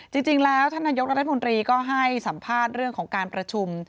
จริงแล้วท่านนายกรัฐมนตรีก็ให้สัมภาษณ์เรื่องของการประชุม